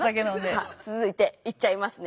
さあ続いていっちゃいますね。